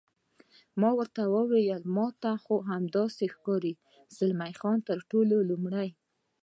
ما ورته وویل: ما ته خو همداسې ښکاري، زلمی خان: تر ټولو لومړی.